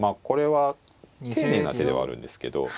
これは丁寧な手ではあるんですけど。